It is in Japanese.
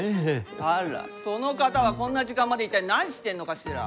あらその方はこんな時間まで一体何してんのかしら。